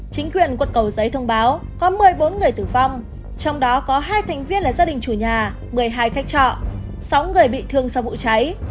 chính quyền quận cầu giấy thông báo có một mươi bốn người tử vong trong đó có hai thành viên là gia đình chủ nhà một mươi hai khách trọ sáu người bị thương sau vụ cháy